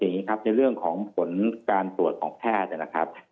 ในเรื่องของผลการตรวจของแพทย์นะครับ